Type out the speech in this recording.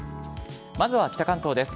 まずは北関東です。